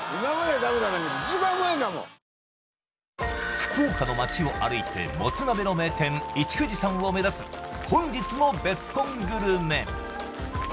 福岡の街を歩いてもつ鍋の名店一藤さんを目指す本日のベスコングルメ